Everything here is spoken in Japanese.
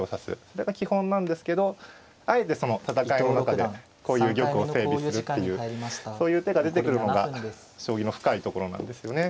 それが基本なんですけどあえてその戦いの中でこういう玉を整備するっていうそういう手が出てくるのが将棋の深いところなんですよね。